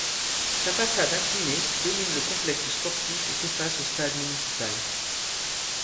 Sa façade inclinée domine le complexe sportif et fait face au stade municipal.